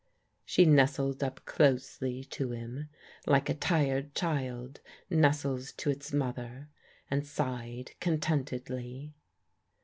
She nestled up closely to him, like a tired child nestles to its mother, and sighed contentedly.